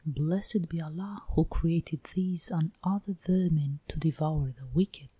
"Blessed be Allah, who created these and other vermin to devour the wicked!